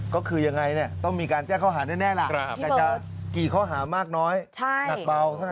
ก็คือยังไงต้องมีการแจ้งข้อหาแน่ล่ะแต่จะกี่ข้อหามากน้อยหนักเบาเท่านั้น